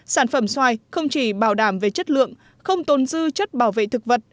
sản phẩm xoài không chỉ bảo đảm về chất lượng không tồn dư chất bảo vệ thực vật